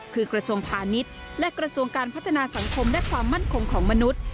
คือกระทรวงพาณิชย์และกระทรวงการพัฒนาสังคมและความมั่นคงของมนุษย์